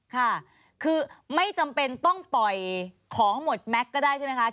ค่ะคือไม่จำเป็นต้องปล่อยของหมดแม็กซ์ก็ได้ใช่ไหมคะ